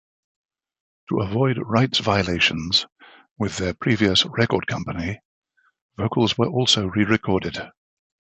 To avoid rights violations with their previous record company, vocals were also re-recorded.